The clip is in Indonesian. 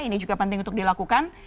ini juga penting untuk dilakukan